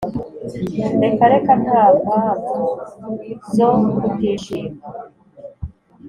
Reka reka nta mpanvu zo kutishima